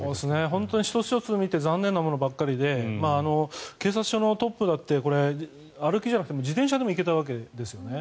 本当に１つ１つ見て残念なものばかりで警察署のトップだって歩きじゃなくて自転車でも行けたわけですよね。